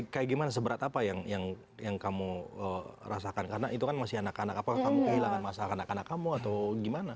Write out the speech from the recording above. kayak gimana seberat apa yang kamu rasakan karena itu kan masih anak anak apakah kamu kehilangan masa kanak kanak kamu atau gimana